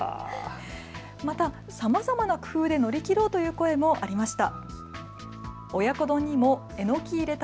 また、さまざまな工夫で乗り切ろうという声もありました。